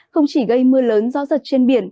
không chỉ gây mưa lớn gió giật trên biển